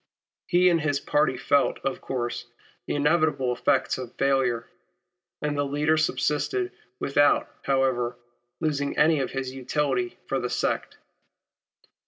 He and his party felt, of course, the inevitable effects of failure ; and the leader subsided without, however, losing any of his utility for the sect.